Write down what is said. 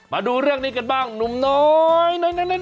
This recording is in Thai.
มาดูเรื่องนี้กันบ้างหนุ่มน้อย